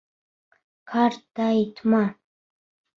Ҡартайтма!